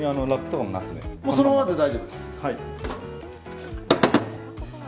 そのままで大丈夫です。